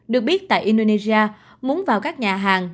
được biết tại indonesia muốn vào các nhà hàng